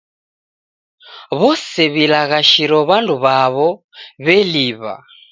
W'ose w'ilaghashiro W'andu w'aw'o w'eliw'a.